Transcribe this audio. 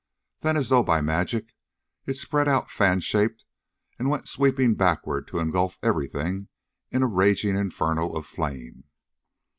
Then as though by magic it spread out fan shaped and went sweeping backward to engulf everything in a raging inferno of flame.